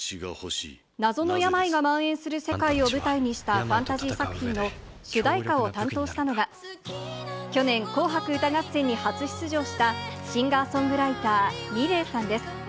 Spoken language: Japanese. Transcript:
謎の病がまん延する世界を舞台にしたファンタジー作品の主題歌を担当したのが、去年、紅白歌合戦に初出場したシンガーソングライター、ミレイさんです。